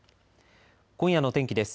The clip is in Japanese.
今夜の天気です。